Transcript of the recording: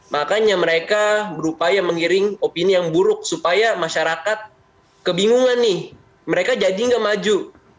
makanya mereka berupaya mengiring opini yang buruk supaya masyarakat kebingungan nih mereka jadi nggak maju